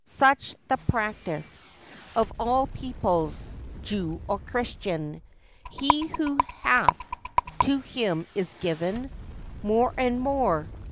Such the practice Of all peoples, Jew or Christian. He who hath, to him is given More and more.